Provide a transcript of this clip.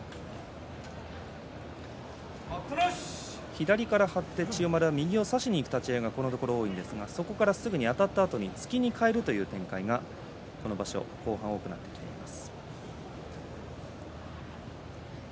左から張って千代丸が右を差しにいく立ち合いがこのところ多いのですがあたったあとに突きに変える展開が、この場所後半多くなっています。